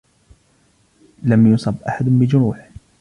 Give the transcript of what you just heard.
لم يصب أحد بجروح